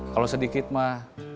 kalau sedikit mah